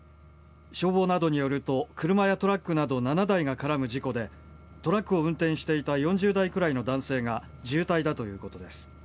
消防などによると車やトラックなど７台が絡む事故でトラックを運転していた４０代くらいの男性が重体だということです。